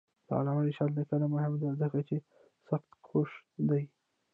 د علامه رشاد لیکنی هنر مهم دی ځکه چې سختکوش دی.